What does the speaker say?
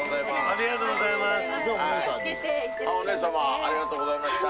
お姉さまありがとうございました。